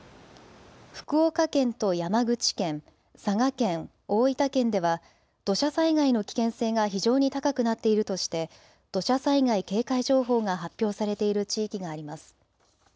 福岡県と山口県、佐賀県、大分県では土砂災害の危険性が非常に高くなっているとして土砂災害警戒情報が発表されている地域があります。